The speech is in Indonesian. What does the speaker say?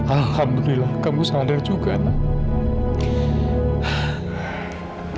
alhamdulillah kamu sadar juga nak